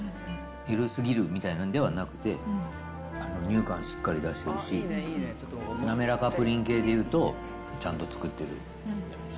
緩すぎるみたいなのではなくて、牛乳感しっかり出してるし、滑らかプリン系で言うと、ちゃんと作ってる。